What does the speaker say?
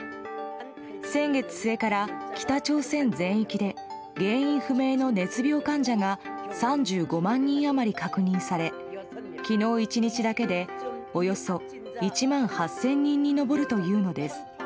先月末から北朝鮮全域で原因不明の熱病患者が３５万人余り確認され昨日１日だけでおよそ１万８０００人に上るというのです。